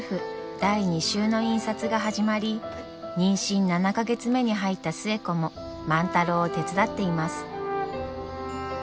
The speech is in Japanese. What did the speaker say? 第２集の印刷が始まり妊娠７か月目に入った寿恵子も万太郎を手伝っています。